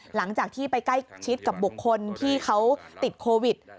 หลังจากที่ไปใกล้ชิดกับบุคคลที่เขาติดโควิด